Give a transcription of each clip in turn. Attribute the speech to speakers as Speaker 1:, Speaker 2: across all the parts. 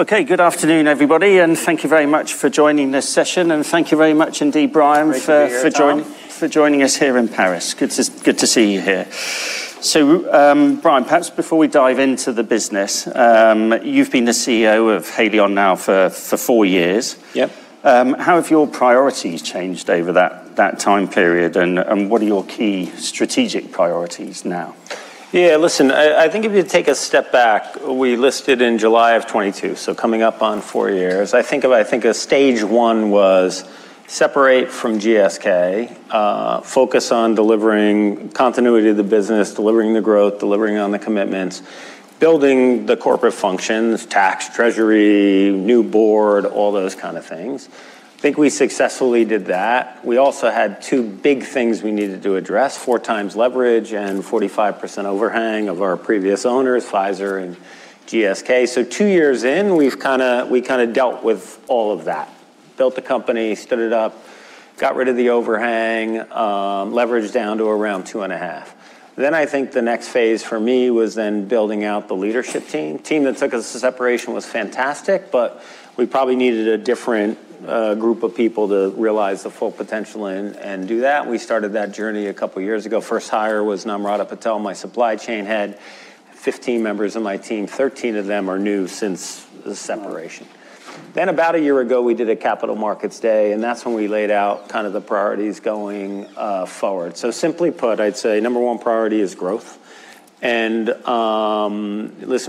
Speaker 1: Okay, good afternoon, everybody, and thank you very much for joining this session. Thank you very much indeed, Brian-
Speaker 2: Great to be here, Tom.
Speaker 1: for joining us here in Paris. Good to see you here. Brian, perhaps before we dive into the business, you've been the CEO of Haleon now for four years.
Speaker 2: Yep.
Speaker 1: How have your priorities changed over that time period, and what are your key strategic priorities now?
Speaker 2: Listen, I think if you take a step back, we listed in July of 2022, coming up on four years. I think of stage 1 was separate from GSK, focus on delivering continuity of the business, delivering the growth, delivering on the commitments, building the corporate functions, tax, treasury, new board, all those kind of things. I think we successfully did that. We also had two big things we needed to address, 4x leverage and 45% overhang of our previous owners, Pfizer and GSK. Two years in, we've kind of dealt with all of that. Built the company, stood it up, got rid of the overhang, leverage down to around 2.5. I think the next phase for me was then building out the leadership team. Team that took us to separation was fantastic, but we probably needed a different group of people to realize the full potential and do that. We started that journey a couple of years ago. First hire was Namrata Patel, my supply chain head. 15 members of my team, 13 of them are new since the separation. About a year ago, we did a Capital Markets Day, and that's when we laid out kind of the priorities going forward. Simply put, I'd say number one priority is growth. Listen,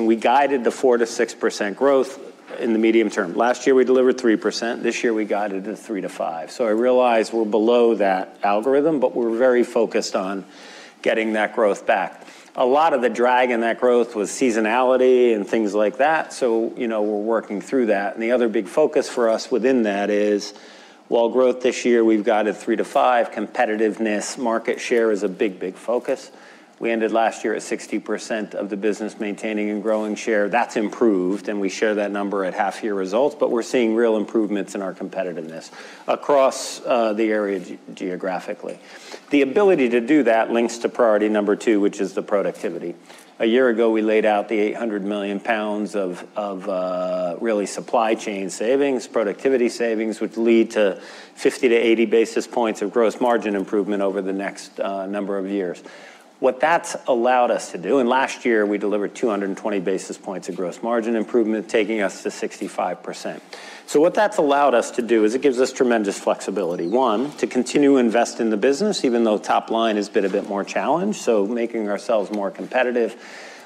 Speaker 2: we guided the 4%-6% growth in the medium term. Last year, we delivered 3%. This year, we guided the 3%-5%. I realize we're below that algorithm, but we're very focused on getting that growth back. A lot of the drag in that growth was seasonality and things like that, so we're working through that. The other big focus for us within that is while growth this year, we've guided 3%-5%, competitiveness, market share is a big, big focus. We ended last year at 60% of the business maintaining and growing share. That's improved, and we share that number at half year results, but we're seeing real improvements in our competitiveness across the area geographically. The ability to do that links to priority number two, which is the productivity. A year ago, we laid out the 800 million pounds of really supply chain savings, productivity savings, which lead to 50-80 basis points of gross margin improvement over the next number of years. What that's allowed us to do, and last year we delivered 220 basis points of gross margin improvement, taking us to 65%. What that's allowed us to do is it gives us tremendous flexibility, one, to continue to invest in the business, even though top line has been a bit more challenged, so making ourselves more competitive,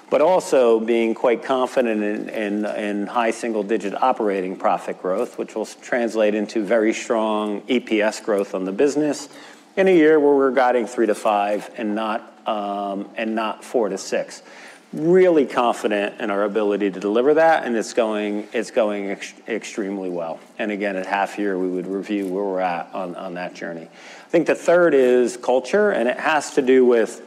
Speaker 2: but also being quite confident in high single-digit operating profit growth, which will translate into very strong EPS growth on the business in a year where we're guiding 3%-5% and not 4%-6%. Really confident in our ability to deliver that, and it's going extremely well. Again, at half year, we would review where we're at on that journey. I think the third is culture, and it has to do with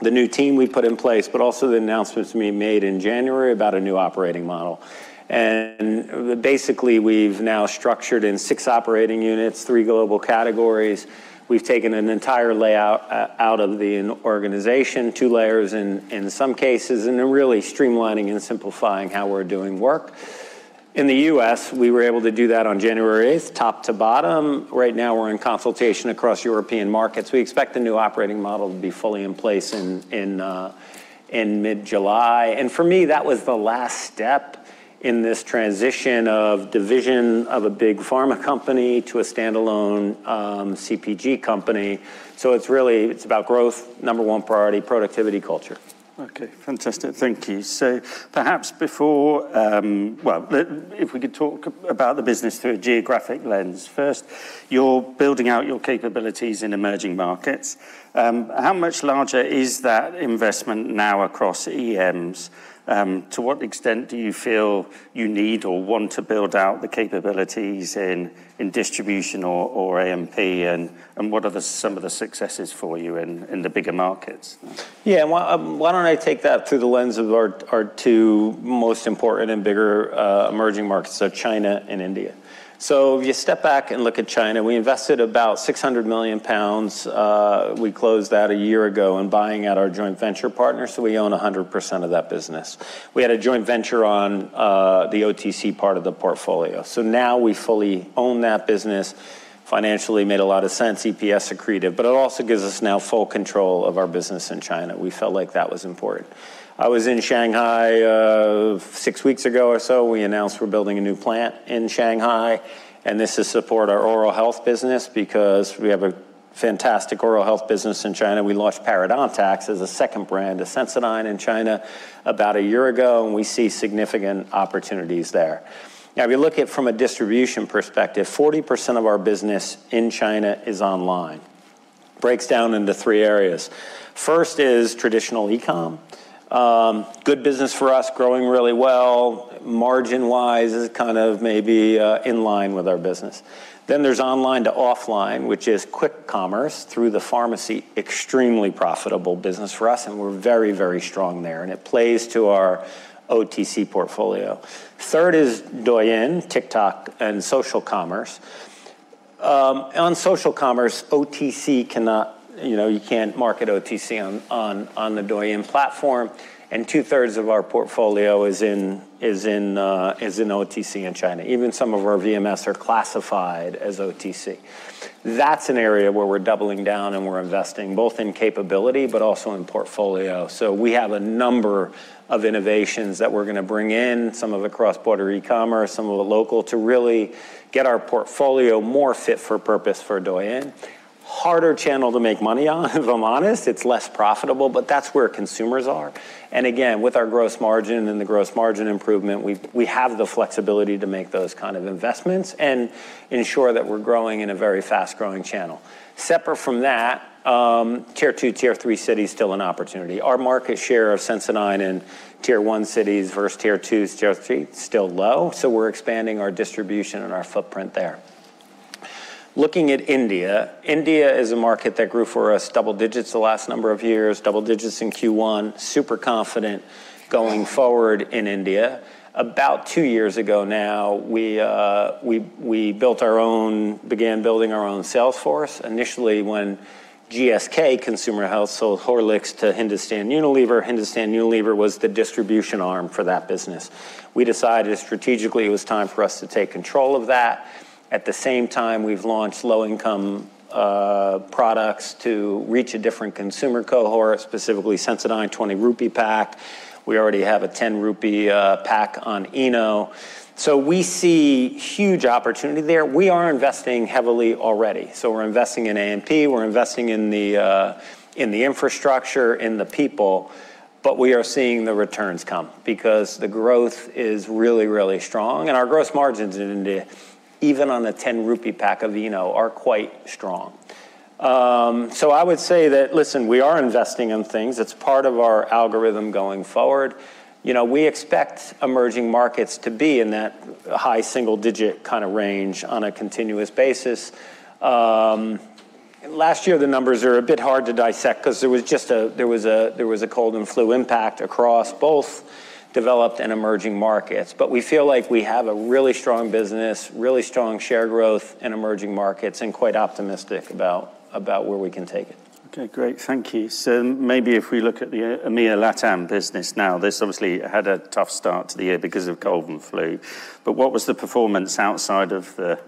Speaker 2: the new team we put in place, but also the announcements we made in January about a new operating model. Basically, we've now structured in six operating units, three global categories. We've taken an entire layer out of the organization, two layers in some cases, and then really streamlining and simplifying how we're doing work. In the U.S., we were able to do that on January 8th, top to bottom. Right now, we're in consultation across European markets. We expect the new operating model to be fully in place in mid-July. For me, that was the last step in this transition of division of a big pharma company to a standalone CPG company. It's really, it's about growth, number one priority, productivity culture.
Speaker 1: Okay. Fantastic. Thank you. Perhaps before, well, if we could talk about the business through a geographic lens first. You're building out your capabilities in emerging markets. How much larger is that investment now across EMs? To what extent do you feel you need or want to build out the capabilities in distribution or A&P, and what are some of the successes for you in the bigger markets?
Speaker 2: Yeah. Why don't I take that through the lens of our two most important and bigger emerging markets, China and India. If you step back and look at China, we invested about 600 million pounds. We closed that a year ago in buying out our joint venture partner, so we own 100% of that business. We had a joint venture on the OTC part of the portfolio. Now we fully own that business. Financially made a lot of sense, EPS accretive, but it also gives us now full control of our business in China. We felt like that was important. I was in Shanghai six weeks ago or so. We announced we're building a new plant in Shanghai, and this will support our oral health business because we have a fantastic oral health business in China. We launched Parodontax as a second brand to Sensodyne in China about a year ago, and we see significant opportunities there. Now if you look at it from a distribution perspective, 40% of our business in China is online. Breaks down into three areas. First is traditional e-com. Good business for us, growing really well. Margin-wise is kind of maybe in line with our business. Then there's online to offline, which is quick commerce through the pharmacy. Extremely profitable business for us, and we're very, very strong there, and it plays to our OTC portfolio. Third is Douyin, TikTok, and social commerce. On social commerce, OTC cannot. You can't market OTC on the Douyin platform, and two-thirds of our portfolio is in OTC in China. Even some of our VMS are classified as OTC. That's an area where we're doubling down, and we're investing both in capability but also in portfolio. We have a number of innovations that we're going to bring in, some of the cross-border e-commerce, some of the local, to really get our portfolio more fit for purpose for Douyin. Harder channel to make money on, if I'm honest. It's less profitable, but that's where consumers are. Again, with our gross margin and the gross margin improvement, we have the flexibility to make those kind of investments and ensure that we're growing in a very fast-growing channel. Separate from that, Tier 2, Tier 3 cities, still an opportunity. Our market share of Sensodyne in Tier 1 cities versus Tier 2s, Tier 3s, still low, so we're expanding our distribution and our footprint there. Looking at India is a market that grew for us double digits the last number of years, double digits in Q1, super confident going forward in India. About two years ago now, we began building our own sales force. Initially, when GSK Consumer Health sold Horlicks to Hindustan Unilever, Hindustan Unilever was the distribution arm for that business. We decided strategically it was time for us to take control of that. At the same time, we've launched low-income products to reach a different consumer cohort, specifically Sensodyne 20 rupee pack. We already have an 10 rupee pack on Eno. We see huge opportunity there. We are investing heavily already. We're investing in A&P, we're investing in the infrastructure, in the people, but we are seeing the returns come because the growth is really, really strong. Our gross margins in India, even on the 10 rupee pack of Eno, are quite strong. I would say that, listen, we are investing in things. It's part of our algorithm going forward. We expect emerging markets to be in that high single digit kind of range on a continuous basis. Last year, the numbers are a bit hard to dissect because there was a cold and flu impact across both developed and emerging markets. We feel like we have a really strong business, really strong share growth in emerging markets, and quite optimistic about where we can take it.
Speaker 1: Okay, great. Thank you. Maybe if we look at the EMEA LATAM business now. This obviously had a tough start to the year because of cold and flu. What was the performance outside of the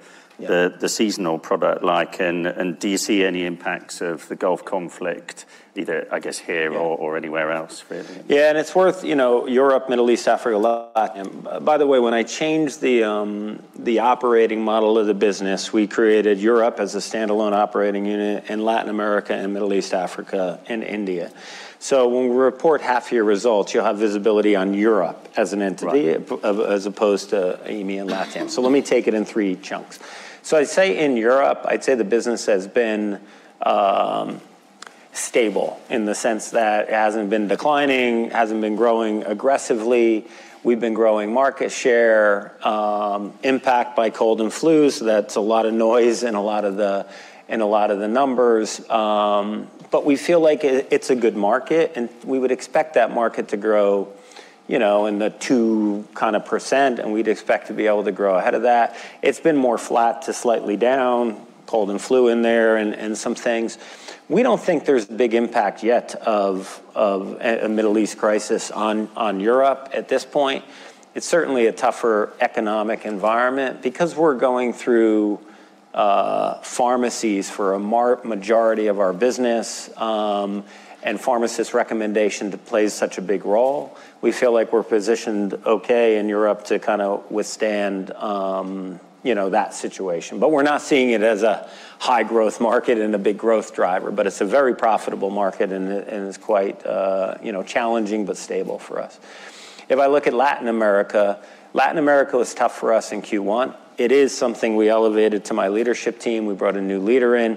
Speaker 1: the seasonal product like? Do you see any impacts of the Gulf conflict either, I guess, here or anywhere else, really?
Speaker 2: Yeah, Europe, Middle East, Africa, LATAM. By the way, when I changed the operating model of the business, we created Europe as a standalone operating unit, and Latin America and Middle East, Africa, and India. When we report half year results, you'll have visibility on Europe as an entity as opposed to EMEA and LATAM. Let me take it in three chunks. In Europe, I'd say the business has been stable in the sense that it hasn't been declining, hasn't been growing aggressively. We've been growing market share. Impact by cold and flu, that's a lot of noise in a lot of the numbers. We feel like it's a good market, and we would expect that market to grow in the two kind of percent, and we'd expect to be able to grow ahead of that. It's been more flat to slightly down, cold and flu in there and some things. We don't think there's big impact yet of a Middle East crisis on Europe at this point. It's certainly a tougher economic environment. We're going through pharmacies for a majority of our business, and pharmacist recommendation plays such a big role, we feel like we're positioned okay in Europe to kind of withstand that situation. We're not seeing it as a high growth market and a big growth driver. It's a very profitable market, and it's quite challenging but stable for us. If I look at Latin America, Latin America was tough for us in Q1. It is something we elevated to my leadership team. We brought a new leader in.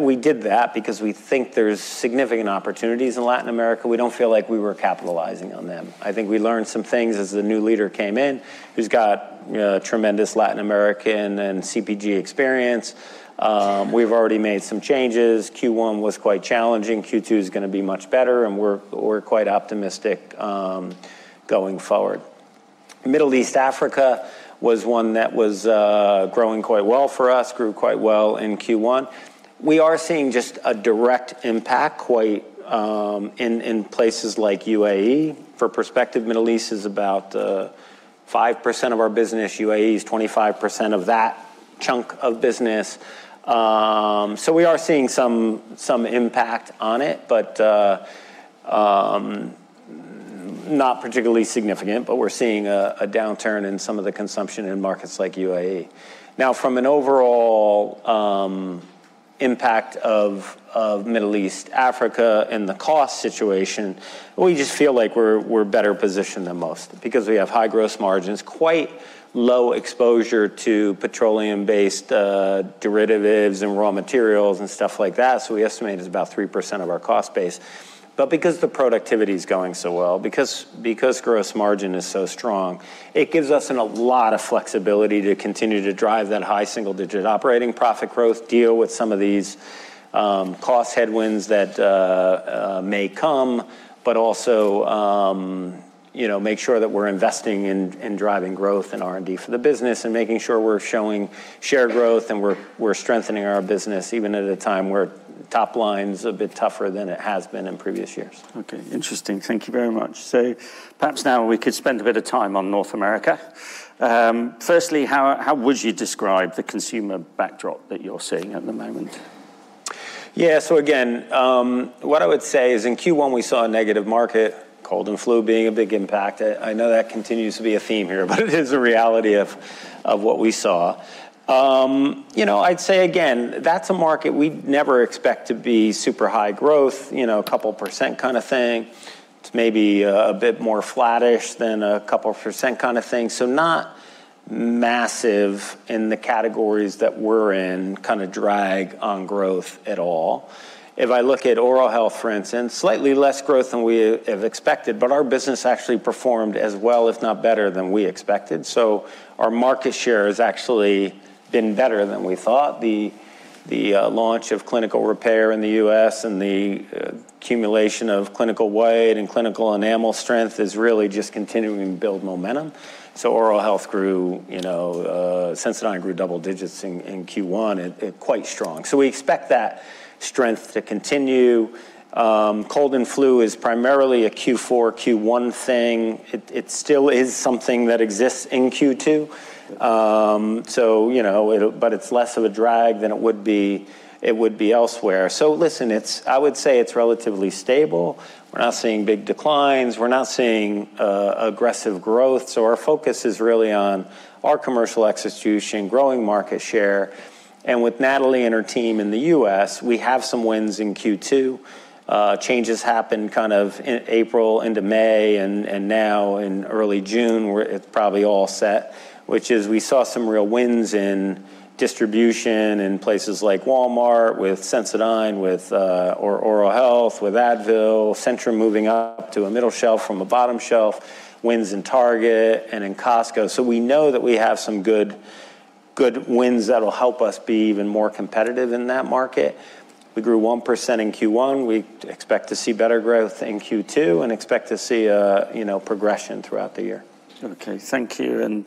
Speaker 2: We did that because we think there's significant opportunities in Latin America. We don't feel like we were capitalizing on them. I think we learned some things as the new leader came in, who's got tremendous Latin American and CPG experience. We've already made some changes. Q1 was quite challenging. Q2's going to be much better, and we're quite optimistic going forward. Middle East, Africa was one that was growing quite well for us, grew quite well in Q1. We are seeing just a direct impact quite in places like UAE. For perspective, Middle East is about 5% of our business. UAE is 25% of that chunk of business. We are seeing some impact on it, but not particularly significant. We're seeing a downturn in some of the consumption in markets like UAE. Now, from an overall impact of Middle East, Africa, and the cost situation, we just feel like we're better positioned than most because we have high gross margins, quite low exposure to petroleum-based derivatives and raw materials and stuff like that. We estimate it's about 3% of our cost base. Because the productivity's going so well, because gross margin is so strong, it gives us a lot of flexibility to continue to drive that high single-digit operating profit growth, deal with some of these cost headwinds that may come, but also make sure that we're investing in driving growth and R&D for the business, and making sure we're showing shared growth, and we're strengthening our business even at a time where top line's a bit tougher than it has been in previous years.
Speaker 1: Okay, interesting. Thank you very much. Perhaps now we could spend a bit of time on North America. Firstly, how would you describe the consumer backdrop that you're seeing at the moment?
Speaker 2: Again, what I would say is in Q1 we saw a negative market, cold and flu being a big impact. I know that continues to be a theme here, but it is a reality of what we saw. I'd say again, that's a market we'd never expect to be super high growth, a couple percent kind of thing. It's maybe a bit more flattish than a couple percent kind of thing. Not massive in the categories that we're in, kind of drag on growth at all. If I look at oral health, for instance, slightly less growth than we have expected, but our business actually performed as well if not better than we expected. Our market share has actually been better than we thought. The launch of Clinical Repair in the U.S. and the accumulation of Clinical White and Clinical Enamel Strength is really just continuing to build momentum. Oral health grew, Sensodyne grew double digits in Q1, quite strong. We expect that strength to continue. Cold and flu is primarily a Q4, Q1 thing. It still is something that exists in Q2, but it's less of a drag than it would be elsewhere. Listen, I would say it's relatively stable. We're not seeing big declines. We're not seeing aggressive growth. Our focus is really on our commercial execution, growing market share. With Nathalie and her team in the U.S., we have some wins in Q2. Changes happen kind of in April into May, and now in early June it's probably all set, which is we saw some real wins in distribution in places like Walmart with Sensodyne, with Oral Health, with Advil, Centrum moving up to a middle shelf from a bottom shelf, wins in Target and in Costco. We know that we have some good wins that will help us be even more competitive in that market. We grew 1% in Q1. We expect to see better growth in Q2 and expect to see a progression throughout the year.
Speaker 1: Okay, thank you.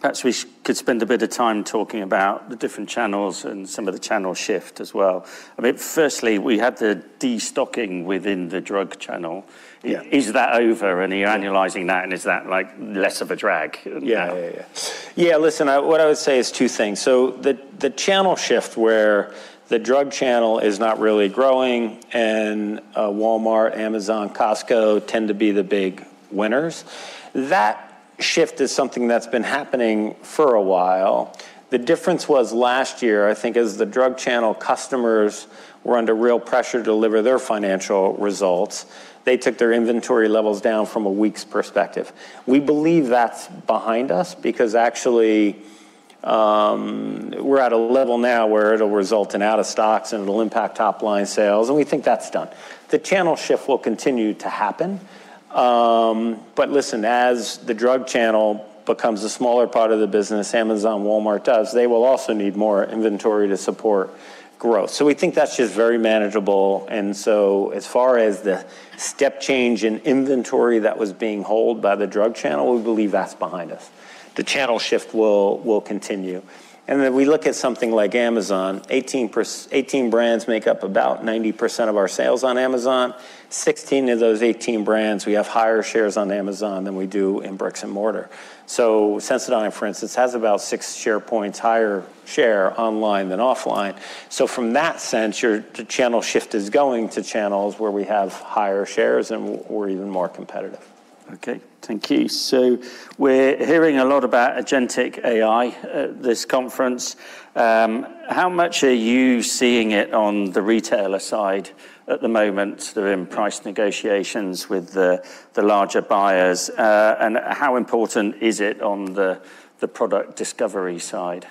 Speaker 1: Perhaps we could spend a bit of time talking about the different channels and some of the channel shift as well. Firstly, we had the de-stocking within the drug channel.
Speaker 2: Yeah.
Speaker 1: Is that over, and are you annualizing that, and is that less of a drag?
Speaker 2: Yeah. Yeah, listen, what I would say is two things. The channel shift where the drug channel is not really growing and Walmart, Amazon, Costco tend to be the big winners. That shift is something that's been happening for a while. The difference was last year, I think as the drug channel customers were under real pressure to deliver their financial results, they took their inventory levels down from a week's perspective. We believe that's behind us because actually, we're at a level now where it'll result in out of stocks and it'll impact top-line sales, and we think that's done. The channel shift will continue to happen. Listen, as the drug channel becomes a smaller part of the business, Amazon, Walmart does, they will also need more inventory to support growth. We think that's just very manageable. As far as the step change in inventory that was being held by the drug channel, we believe that's behind us. The channel shift will continue. We look at something like Amazon, 18 brands make up about 90% of our sales on Amazon. 16 of those 18 brands we have higher shares on Amazon than we do in bricks and mortar. Sensodyne, for instance, has about six share points higher share online than offline. From that sense, your channel shift is going to channels where we have higher shares and we're even more competitive.
Speaker 1: Okay, thank you. We're hearing a lot about agentic AI at this conference. How much are you seeing it on the retailer side at the moment in price negotiations with the larger buyers? How important is it on the product discovery side?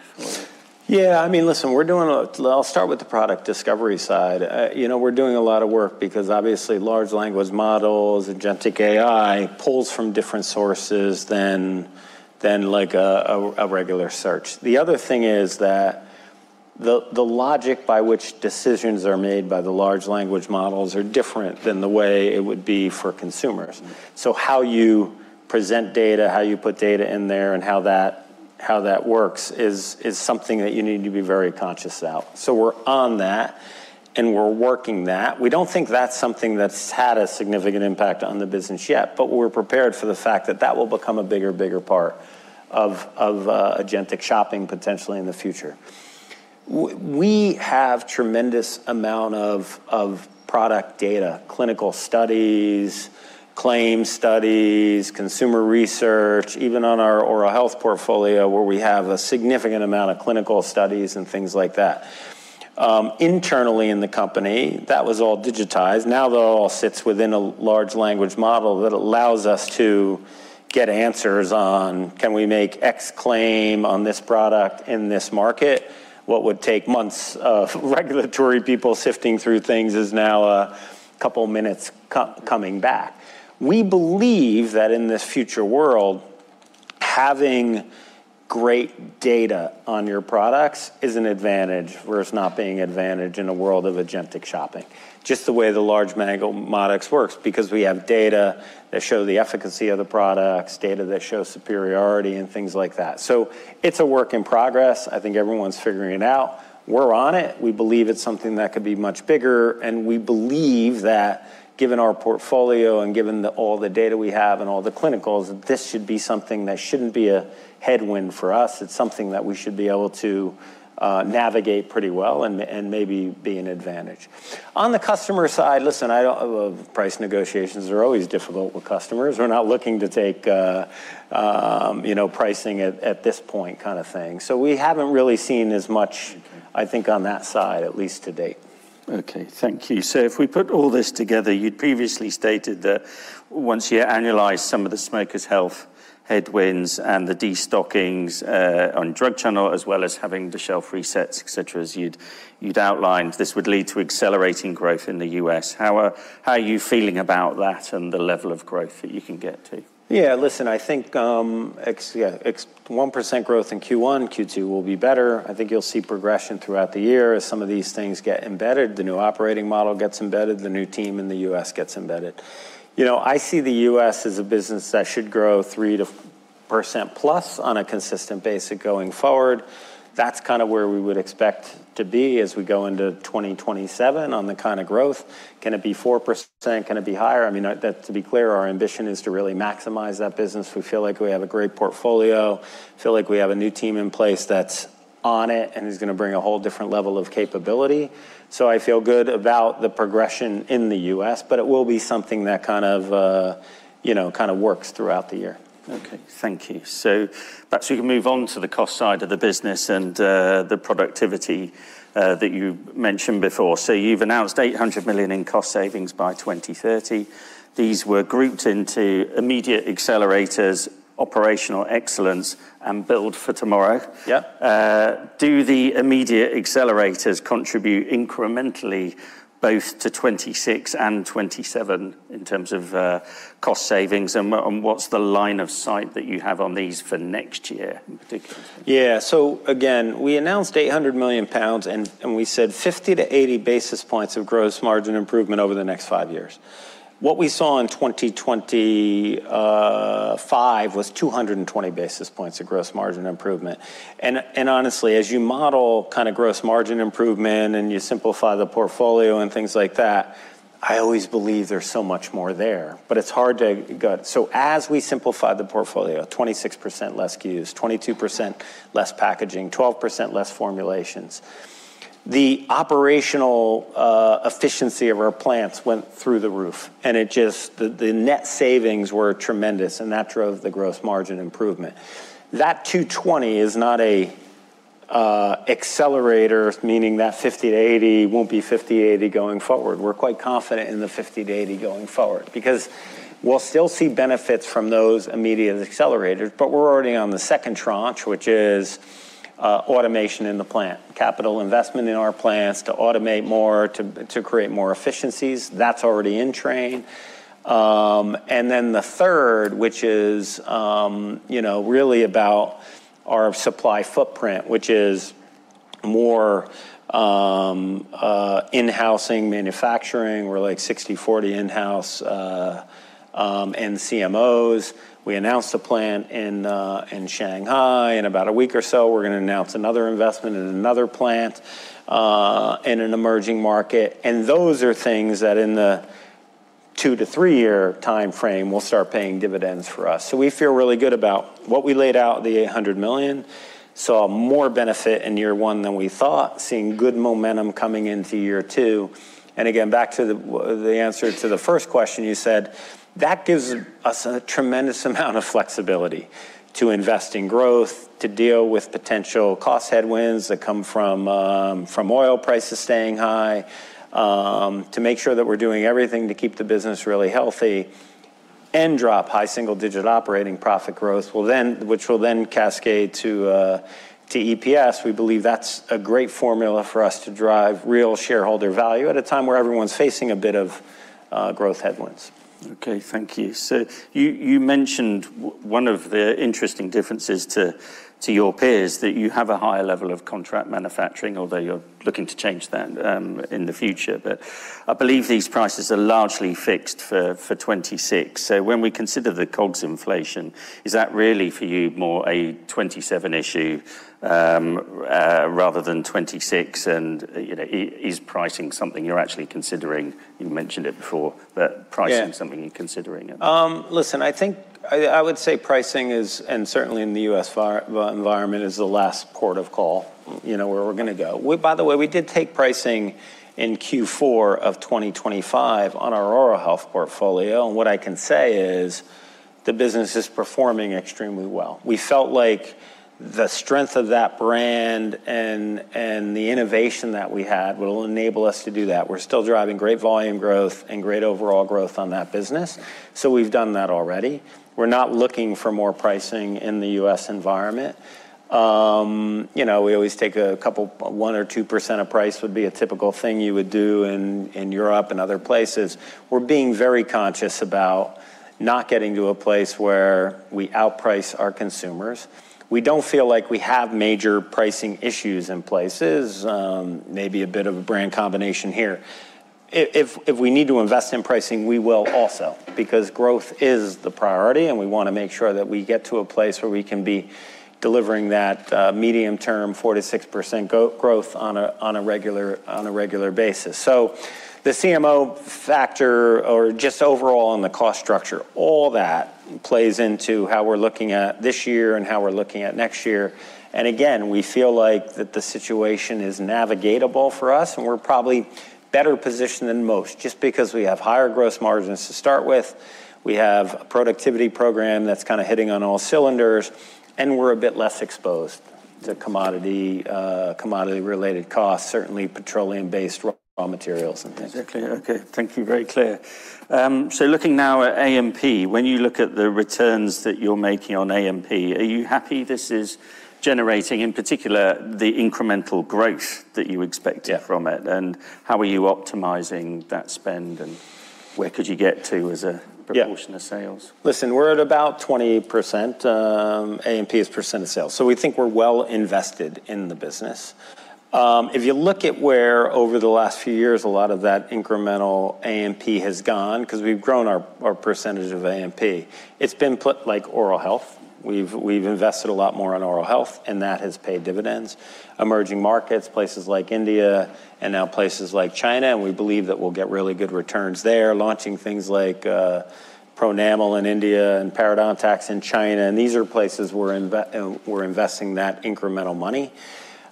Speaker 2: Yeah, listen, I'll start with the product discovery side. We're doing a lot of work because obviously large language models, agentic AI pulls from different sources than a regular search. The other thing is that the logic by which decisions are made by the large language models are different than the way it would be for consumers. How you present data, how you put data in there, and how that works is something that you need to be very conscious about. We're on that, and we're working that. We don't think that's something that's had a significant impact on the business yet, but we're prepared for the fact that that will become a bigger part of agentic shopping potentially in the future. We have tremendous amount of product data, clinical studies, claims studies, consumer research, even on our oral health portfolio where we have a significant amount of clinical studies and things like that. Internally in the company, that was all digitized. Now that all sits within a large language model that allows us to get answers on can we make X claim on this product in this market? What would take months of regulatory people sifting through things is now a couple of minutes coming back. We believe that in this future world. Having great data on your products is an advantage, whereas not being advantage in a world of agentic shopping. Just the way the large models works. We have data that show the efficacy of the products, data that show superiority and things like that. It's a work in progress. I think everyone's figuring it out. We're on it. We believe it's something that could be much bigger, and we believe that given our portfolio and given all the data we have and all the clinicals, this should be something that shouldn't be a headwind for us. It's something that we should be able to navigate pretty well and maybe be an advantage. On the customer side, listen, price negotiations are always difficult with customers. We're not looking to take pricing at this point kind of thing. We haven't really seen as much, I think, on that side, at least to date.
Speaker 1: Okay. Thank you. If we put all this together, you'd previously stated that once you annualize some of the smoker's health headwinds and the destockings on drug channel, as well as having the shelf resets, et cetera, as you'd outlined, this would lead to accelerating growth in the U.S. How are you feeling about that and the level of growth that you can get to?
Speaker 2: Yeah, listen, I think, 1% growth in Q1, Q2 will be better. I think you'll see progression throughout the year as some of these things get embedded, the new operating model gets embedded, the new team in the U.S. gets embedded. I see the U.S. as a business that should grow 3%+ on a consistent basis going forward. That's where we would expect to be as we go into 2027 on the kind of growth. Can it be 4%? Can it be higher? To be clear, our ambition is to really maximize that business. We feel like we have a great portfolio. We feel like we have a new team in place that's on it and is going to bring a whole different level of capability. I feel good about the progression in the U.S., but it will be something that kind of works throughout the year.
Speaker 1: Okay. Thank you. Perhaps we can move on to the cost side of the business and the productivity that you mentioned before. You've announced 800 million in cost savings by 2030. These were grouped into Immediate Accelerators, Operational Excellence, and Build for Tomorrow.
Speaker 2: Yeah.
Speaker 1: Do the immediate accelerators contribute incrementally both to 2026 and 2027 in terms of cost savings? What's the line of sight that you have on these for next year in particular?
Speaker 2: Yeah. Again, we announced 800 million pounds, and we said 50-80 basis points of gross margin improvement over the next five years. What we saw in 2025 was 220 basis points of gross margin improvement. Honestly, as you model gross margin improvement and you simplify the portfolio and things like that, I always believe there's so much more there, but it's hard to gut. As we simplify the portfolio, 26% less SKUs, 22% less packaging, 12% less formulations. The operational efficiency of our plants went through the roof, and the net savings were tremendous, and that drove the gross margin improvement. That 220 is not a accelerator, meaning that 50-80 won't be 50-80 going forward. We're quite confident in the 50-80 going forward, because we'll still see benefits from those immediate accelerators. We're already on the second tranche, which is automation in the plant. Capital investment in our plants to automate more, to create more efficiencies. That's already in train. Then the third, which is really about our supply footprint, which is more in-housing manufacturing. We're like 60/40 in-house and CMOs. We announced a plant in Shanghai. In about a week or so, we're going to announce another investment in another plant in an emerging market. Those are things that in the two to three-year timeframe will start paying dividends for us. We feel really good about what we laid out, the 800 million. Saw more benefit in year one than we thought, seeing good momentum coming into year two. Again, back to the answer to the first question you said, that gives us a tremendous amount of flexibility to invest in growth, to deal with potential cost headwinds that come from oil prices staying high, to make sure that we're doing everything to keep the business really healthy and drop high single-digit operating profit growth, which will then cascade to EPS. We believe that's a great formula for us to drive real shareholder value at a time where everyone's facing a bit of growth headwinds.
Speaker 1: Okay. Thank you. You mentioned one of the interesting differences to your peers, that you have a higher level of contract manufacturing, although you're looking to change that in the future. I believe these prices are largely fixed for 2026. When we consider the COGS inflation, is that really for you more a 2027 issue rather than 2026? Is pricing something you're actually considering? You mentioned it before, but pricing-
Speaker 2: Yeah.
Speaker 1: is something you're considering.
Speaker 2: Listen, I would say pricing is, and certainly in the U.S. environment, is the last port of call where we're going to go. By the way, we did take pricing in Q4 of 2025 on our oral health portfolio, and what I can say is the business is performing extremely well. We felt like the strength of that brand and the innovation that we had will enable us to do that. We're still driving great volume growth and great overall growth on that business. We've done that already. We're not looking for more pricing in the U.S. environment. We always take a couple, 1% or 2% of price would be a typical thing you would do in Europe and other places. We're being very conscious about not getting to a place where we outprice our consumers. We don't feel like we have major pricing issues in places. Maybe a bit of a brand combination here. If we need to invest in pricing, we will also, because growth is the priority, and we want to make sure that we get to a place where we can be delivering that medium term, 4%-6% growth on a regular basis. The CMO factor or just overall on the cost structure, all that plays into how we're looking at this year and how we're looking at next year. Again, we feel like that the situation is navigateable for us, and we're probably better positioned than most just because we have higher gross margins to start with. We have a productivity program that's hitting on all cylinders, and we're a bit less exposed to commodity-related costs, certainly petroleum-based raw materials and things.
Speaker 1: Exactly. Okay. Thank you. Very clear. Looking now at A&P, when you look at the returns that you're making on A&P, are you happy this is generating, in particular, the incremental growth that you expected From it, and how are you optimizing that spend, and where could you get to proportion of sales?
Speaker 2: Listen, we're at about 20%, A&P as percent of sales. We think we're well invested in the business. If you look at where over the last few years, a lot of that incremental A&P has gone, because we've grown our percentage of A&P. It's been put like oral health. We've invested a lot more in oral health, and that has paid dividends. Emerging markets, places like India, and now places like China. We believe that we'll get really good returns there. Launching things like Pronamel in India and Parodontax in China. These are places we're investing that incremental money.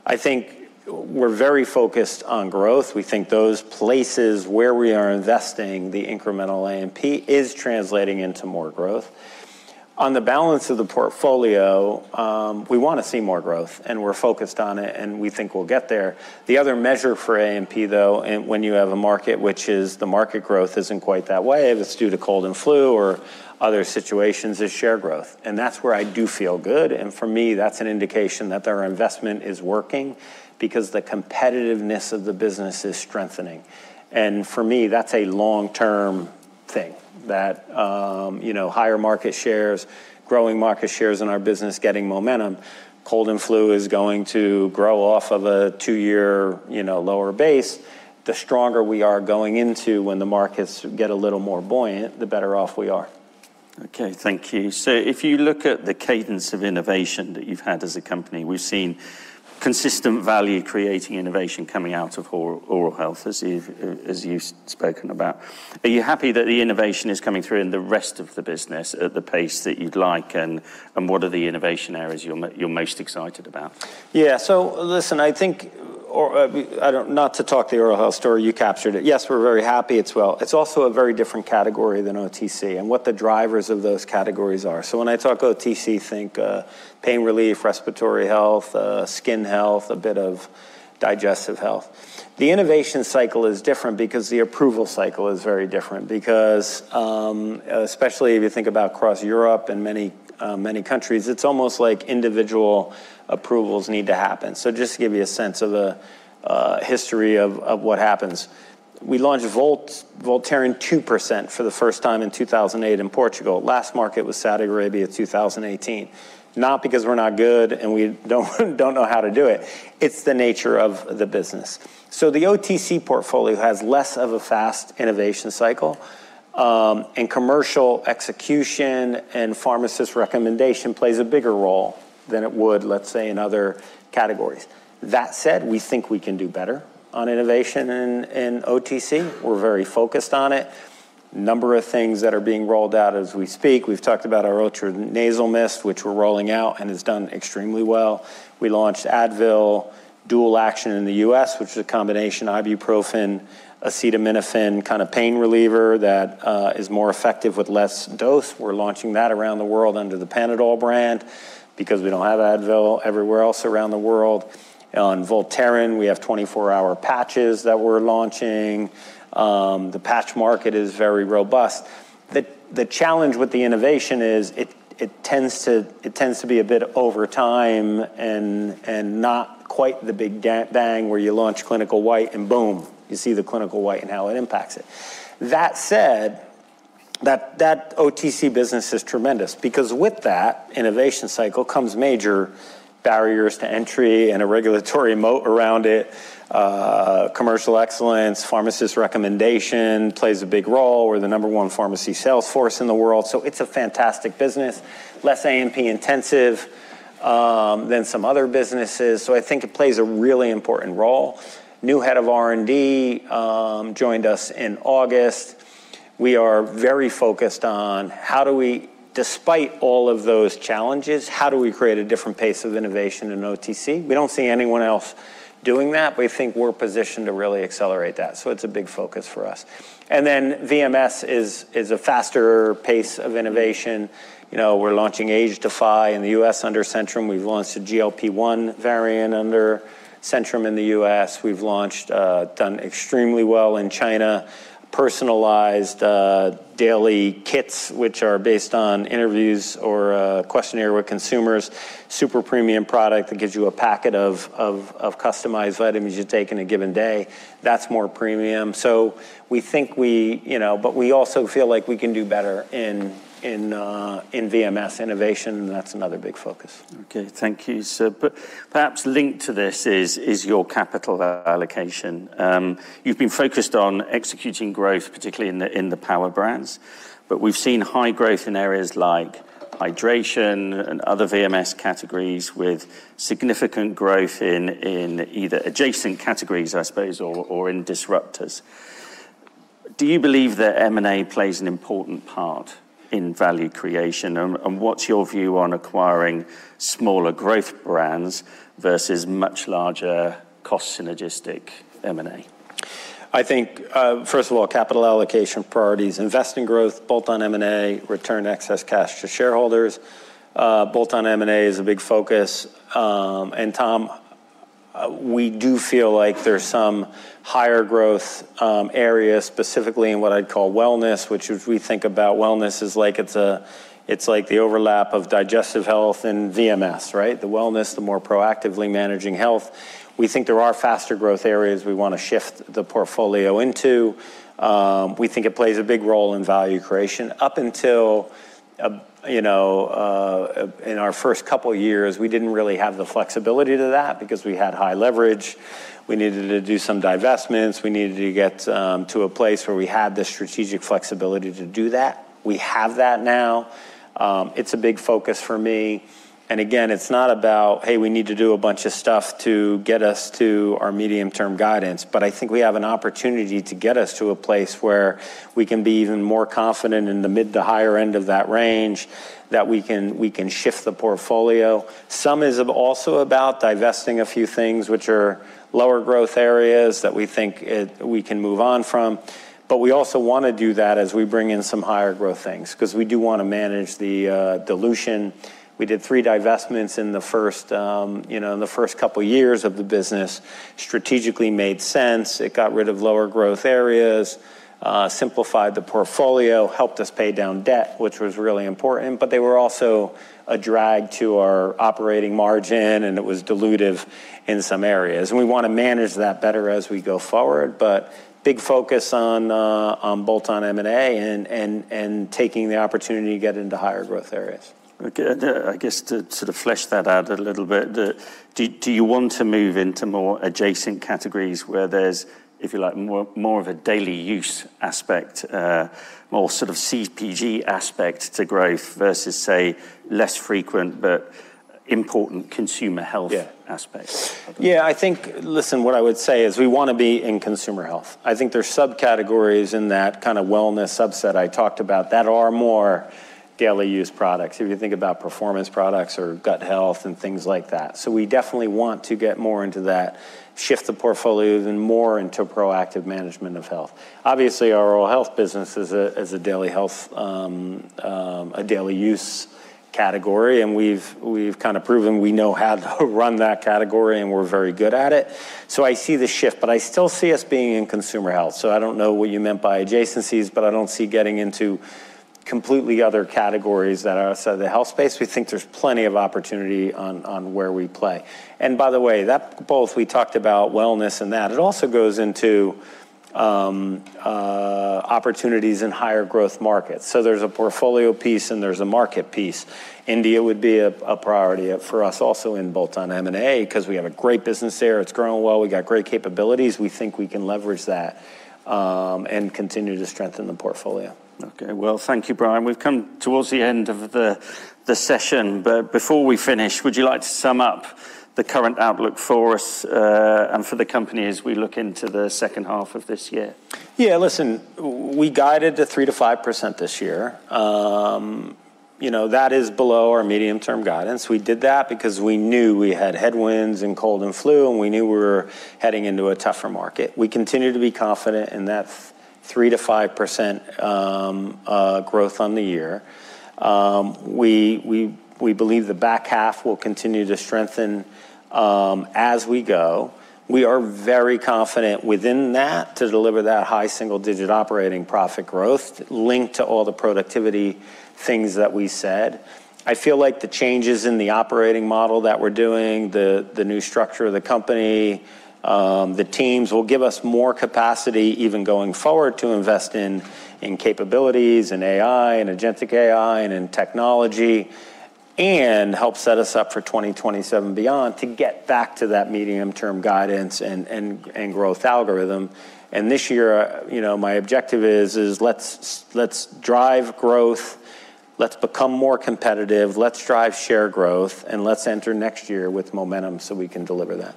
Speaker 2: I think we're very focused on growth. We think those places where we are investing the incremental A&P is translating into more growth. On the balance of the portfolio, we want to see more growth, and we're focused on it, and we think we'll get there. The other measure for A&P, though, and when you have a market, which is the market growth isn't quite that way, if it's due to cold and flu or other situations, is share growth. That's where I do feel good. For me, that's an indication that their investment is working because the competitiveness of the business is strengthening. For me, that's a long-term thing that higher market shares, growing market shares in our business, getting momentum, cold and flu is going to grow off of a two-year lower base. The stronger we are going into when the markets get a little more buoyant, the better off we are.
Speaker 1: Okay, thank you. If you look at the cadence of innovation that you've had as a company, we've seen consistent value creating innovation coming out of oral health as you've spoken about. Are you happy that the innovation is coming through in the rest of the business at the pace that you'd like, and what are the innovation areas you're most excited about?
Speaker 2: Listen, I think, or not to talk the oral health story, you captured it. Yes, we're very happy. It's also a very different category than OTC and what the drivers of those categories are. When I talk OTC, think pain relief, respiratory health, skin health, a bit of digestive health. The innovation cycle is different because the approval cycle is very different because, especially if you think about across Europe and many countries, it's almost like individual approvals need to happen. Just to give you a sense of the history of what happens. We launched Voltaren 2% for the first time in 2008 in Portugal. Last market was Saudi Arabia, 2018. Not because we're not good and we don't know how to do it. It's the nature of the business. The OTC portfolio has less of a fast innovation cycle, and commercial execution and pharmacist recommendation plays a bigger role than it would, let's say, in other categories. That said, we think we can do better on innovation in OTC. We're very focused on it. A number of things that are being rolled out as we speak. We've talked about our ultra nasal mist, which we're rolling out and has done extremely well. We launched Advil Dual Action in the U.S., which is a combination ibuprofen, acetaminophen pain reliever that is more effective with less dose. We're launching that around the world under the Panadol brand because we don't have Advil everywhere else around the world. On Voltaren, we have 24-hour patches that we're launching. The patch market is very robust. The challenge with the innovation is it tends to be a bit over time and not quite the big bang where you launch Clinical White and boom, you see the Clinical White and how it impacts it. That OTC business is tremendous because with that innovation cycle comes major barriers to entry and a regulatory moat around it. Commercial excellence, pharmacist recommendation plays a big role. We're the number one pharmacy sales force in the world. It's a fantastic business. Less A&P intensive than some other businesses. I think it plays a really important role. New head of R&D joined us in August. We are very focused on how do we, despite all of those challenges, how do we create a different pace of innovation in OTC? We don't see anyone else doing that, we think we're positioned to really accelerate that. It's a big focus for us. VMS is a faster pace of innovation. We're launching Age Defy in the U.S. under Centrum. We've launched a GLP-1 variant under Centrum in the U.S. We've done extremely well in China, personalized daily kits, which are based on interviews or a questionnaire with consumers, super premium product that gives you a packet of customized vitamins you take in a given day. That's more premium. We also feel like we can do better in VMS innovation, and that's another big focus.
Speaker 1: Okay, thank you, sir. Perhaps linked to this is your capital allocation. You've been focused on executing growth, particularly in the power brands, but we've seen high growth in areas like hydration and other VMS categories with significant growth in either adjacent categories, I suppose, or in disruptors. Do you believe that M&A plays an important part in value creation? What's your view on acquiring smaller growth brands versus much larger cost synergistic M&A?
Speaker 2: I think, first of all, capital allocation priorities, invest in growth, bolt-on M&A, return excess cash to shareholders. Bolt-on M&A is a big focus. Tom, we do feel like there's some higher growth areas, specifically in what I'd call wellness, which if we think about wellness, it's like the overlap of digestive health and VMS, right? The wellness, the more proactively managing health. We think there are faster growth areas we want to shift the portfolio into. We think it plays a big role in value creation. Up until, in our first couple of years, we didn't really have the flexibility to that because we had high leverage. We needed to do some divestments. We needed to get to a place where we had the strategic flexibility to do that. We have that now. It's a big focus for me. Again, it's not about, hey, we need to do a bunch of stuff to get us to our medium-term guidance, but I think we have an opportunity to get us to a place where we can be even more confident in the mid to higher end of that range, that we can shift the portfolio. Some is also about divesting a few things which are lower growth areas that we think we can move on from. We also want to do that as we bring in some higher growth things because we do want to manage the dilution. We did three divestments in the first couple of years of the business. Strategically made sense. It got rid of lower growth areas, simplified the portfolio, helped us pay down debt, which was really important. They were also a drag to our operating margin, and it was dilutive in some areas. We want to manage that better as we go forward. Big focus on bolt-on M&A and taking the opportunity to get into higher growth areas.
Speaker 1: Okay. I guess to sort of flesh that out a little bit, do you want to move into more adjacent categories where there's, if you like, more of a daily use aspect, a more sort of CPG aspect to growth versus, say, less frequent but important consumer health-
Speaker 2: Yeah.
Speaker 1: aspects?
Speaker 2: I think, listen, what I would say is we want to be in consumer health. I think there's subcategories in that kind of wellness subset I talked about that are more daily use products, if you think about performance products or gut health and things like that. We definitely want to get more into that, shift the portfolio more into proactive management of health. Obviously, our oral health business is a daily use category, and we've kind of proven we know how to run that category, and we're very good at it. I see the shift, but I still see us being in consumer health. I don't know what you meant by adjacencies, but I don't see getting into completely other categories that are outside the health space. We think there's plenty of opportunity on where we play. By the way, that both we talked about wellness and that, it also goes into opportunities in higher growth markets. There's a portfolio piece and there's a market piece. India would be a priority for us also in bolt-on M&A because we have a great business there. It's growing well. We got great capabilities. We think we can leverage that and continue to strengthen the portfolio.
Speaker 1: Okay. Well, thank you, Brian. We've come towards the end of the session. Before we finish, would you like to sum up the current outlook for us and for the company as we look into the second half of this year?
Speaker 2: Listen, we guided to 3%-5% this year. That is below our medium-term guidance. We did that because we knew we had headwinds in cold and flu, and we knew we were heading into a tougher market. We continue to be confident in that 3%-5% growth on the year. We believe the back half will continue to strengthen as we go. We are very confident within that to deliver that high single-digit operating profit growth linked to all the productivity things that we said. I feel like the changes in the operating model that we're doing, the new structure of the company, the teams will give us more capacity even going forward to invest in capabilities, in AI, in agentic AI, and in technology, and help set us up for 2027 beyond to get back to that medium-term guidance and growth algorithm. This year, my objective is let's drive growth, let's become more competitive, let's drive share growth, and let's enter next year with momentum so we can deliver that.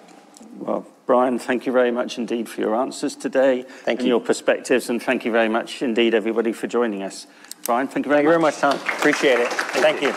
Speaker 1: Well, Brian, thank you very much indeed for your answers today.
Speaker 2: Thank you.
Speaker 1: Your perspectives. Thank you very much indeed, everybody, for joining us. Brian, thank you very much.
Speaker 2: Thank you very much, Tom. Appreciate it. Thank you.